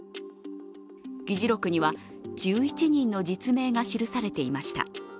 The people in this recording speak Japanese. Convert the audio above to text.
議事録には１１人の実名が記されていました。